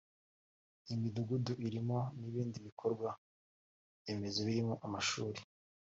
Iyo midugudu irimo n’ibindi bikorwa remezo birimo amashuri